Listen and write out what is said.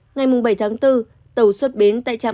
ngày bảy tháng bốn tàu xuất bến tại trạm